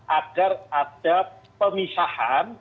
agar ada pemisahan